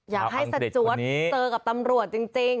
อยากให้สจวดเจอกับตำรวจจริง